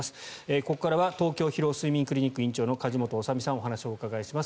ここからは東京疲労・睡眠クリニック院長の梶本修身さんお話をお伺いします。